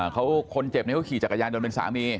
คนเจ็บเนี่ยเค้าขี่จักรยานเดินเป็นสามี